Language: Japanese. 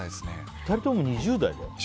２人とも２０代？